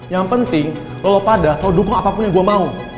yang penting lo pada selalu dukung apapun yang gue mau